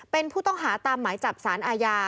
เป็นผู้ต้องหาตามหมายจับสารอาญา